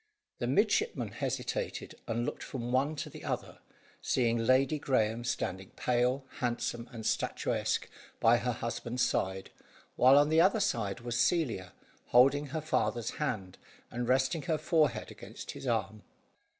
The midshipman hesitated, and looked from one to the other, seeing Lady Graeme standing pale, handsome, and statuesque by her husband's side, while on the other side was Celia, holding her father's hand, and resting her forehead against his arm.